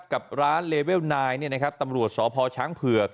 กับร้านเลเวลนายเนี่ยนะครับตำรวจสอพช้างเผือก